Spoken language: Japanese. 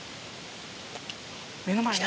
目の前。